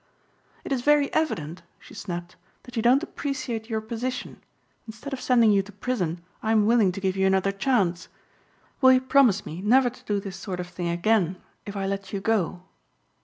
"It is very evident," she snapped, "that you don't appreciate your position. Instead of sending you to prison I am willing to give you another chance. Will you promise me never to do this sort of thing again if I let you go?"